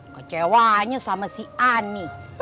kecewanya sama si ani